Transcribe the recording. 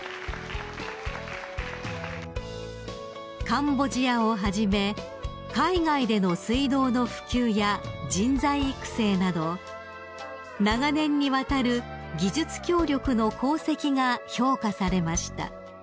［カンボジアをはじめ海外での水道の普及や人材育成など長年にわたる技術協力の功績が評価されました］